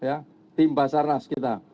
kita ada dua ratus dua puluh tim basarnas kita